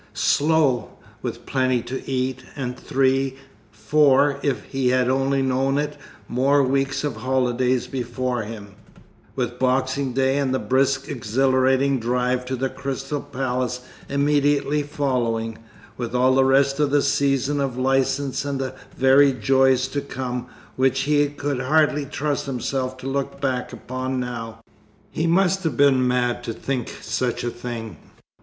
Slow! with plenty to eat, and three (four, if he had only known it) more weeks of holiday before him; with Boxing Day and the brisk exhilarating drive to the Crystal Palace immediately following, with all the rest of a season of licence and varied joys to come, which he could hardly trust himself to look back upon now! He must have been mad to think such a thing.